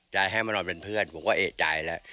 ให้มานอนเป็นเพื่อนผมก็เอกใจแล้ว